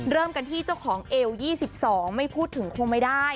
เริ่มกันที่เจ้าของเอว๒๒ไม่พูดถึงคงไม่ได้